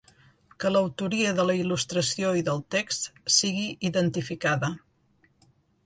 Que l'autoria de la il·lustració i del text sigui identificada.